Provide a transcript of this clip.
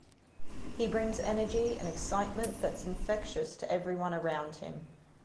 He brings energy and excitement that’s infectious to everyone around him.